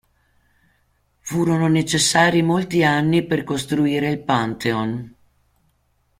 Furono necessari molti anni per costruire il Pantheon.